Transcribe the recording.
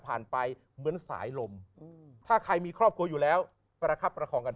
ไปเหมือนสายลมถ้าใครมีครอบครัวอยู่แล้วประคับประคองกัน